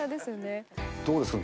どうですか？